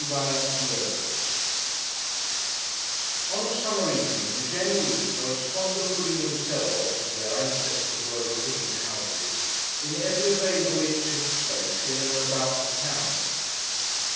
On a summer evening the Genoese are as fond of putting themselves, as their ancestors were of putting houses, in every available inch of space in and about the town.